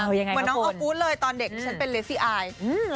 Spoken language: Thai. เหมือนน้องออกฟู้ดเลยตอนเด็กฉันเป็นเลสซี่อาย